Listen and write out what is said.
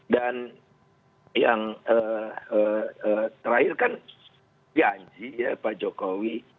dan yang terakhir kan ya anji ya pak jokowi